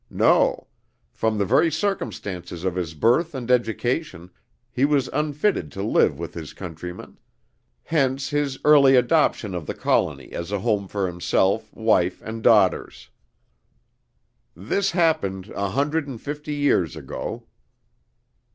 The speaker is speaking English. No; from the very circumstances of his birth and education, he was unfitted to live with his countrymen; hence his early adoption of the colony as a home for himself, wife, and daughters. This happened a hundred and fifty years ago."